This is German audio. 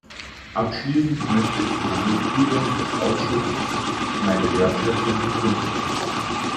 Abschließend möchte ich den Mitgliedern des Ausschusses meine Wertschätzung bekunden.